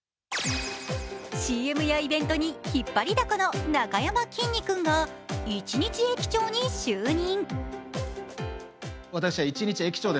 ＣＭやイベントに引っ張りだこのなかやまきんに君が１日駅長に就任。